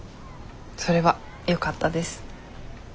それはよかったです。